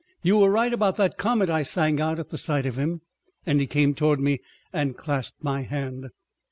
"You were right about that comet," I sang out at the sight of him; and he came toward me and clasped my hand.